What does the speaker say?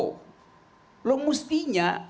lo mustinya demokrasi menjamin gantinya